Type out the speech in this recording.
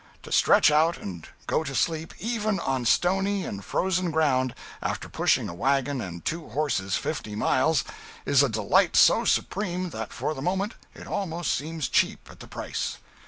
To stretch out and go to sleep, even on stony and frozen ground, after pushing a wagon and two horses fifty miles, is a delight so supreme that for the moment it almost seems cheap at the price.